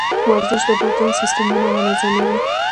ورزش د بدن سیستمونه منظموي.